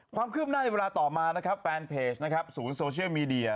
ความคืบหน้าอยู่เวลาต่อมานะครับแฟนเพจสูญโซเชียลมีเดีย